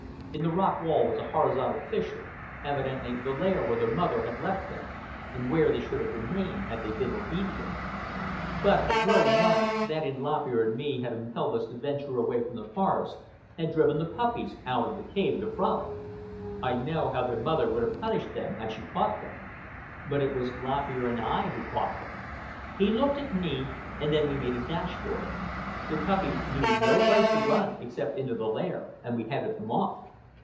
In the rock wall was a horizontal fissure—evidently the lair where their mother had left them, and where they should have remained had they been obedient. But the growing life, that in Lop Ear and me had impelled us to venture away from the forest, had driven the puppies out of the cave to frolic. I know how their mother would have punished them had she caught them. But it was Lop Ear and I who caught them. He looked at me, and then we made a dash for it. The puppies knew no place to run except into the lair, and we headed them off.